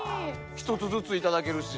一つずついただけるし。